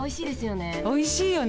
おいしいよね。